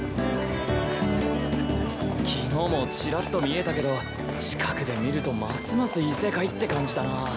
昨日もチラッと見えたけど近くで見るとますます異世界って感じだな。